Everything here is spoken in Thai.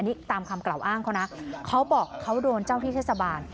นี่ตามคำกล่าวอ้างเขานะเขาบอกเขาโดนเจ้าที่เทศบาล